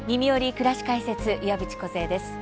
くらし解説」岩渕梢です。